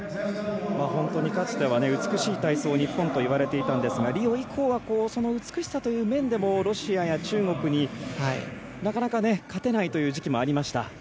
本当にかつては美しい体操、日本と言われていたんですがリオ以降はその美しさという面でもロシアや中国になかなか勝てないという時期もありました。